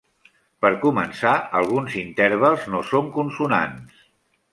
Per començar alguns intervals no són consonants.